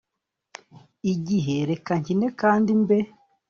igihe reka nkine kandi mbe